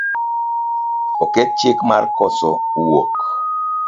Oket chik mar koso wuok